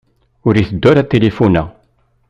Ur iteddu ara tilifu-ya.